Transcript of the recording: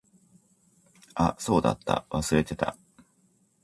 あ、そうだった。忘れてた。